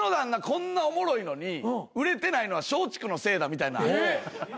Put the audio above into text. こんなおもろいのに売れてないのは松竹のせいだみたいな。